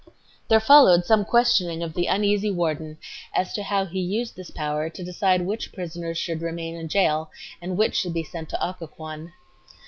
There followed some questioning of the uneasy warden as to how he used this power to decide which prisoners should remain in jail and which should be sent to Occoquan.